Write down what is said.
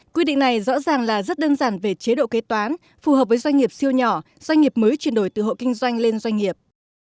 quy định này rõ ràng là rất đơn giản về chế độ kế toán phù hợp với doanh nghiệp siêu nhỏ doanh nghiệp mới chuyển đổi từ hộ kinh doanh lên doanh nghiệp